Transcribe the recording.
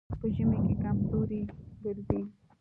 په ژمي کې کمزوری ګرځي.